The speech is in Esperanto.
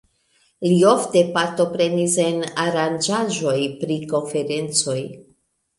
Li ofte partoprenis en aranĝaĵoj pri konferencoj.